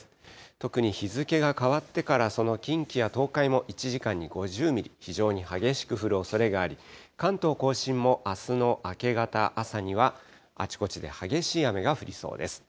特に日付が変わってから、その近畿や東海も１時間に５０ミリ、非常に激しく降るおそれがあり、関東甲信もあすの明け方、朝には、あちこちで激しい雨が降りそうです。